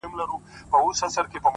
o كړۍ ـكـړۍ لكه ځنځير ويـده دی ـ